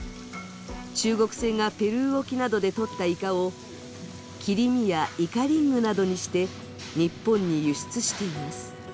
中国船がペルー沖などで取ったイカを切り身やイカリングなどにして日本に輸出しています。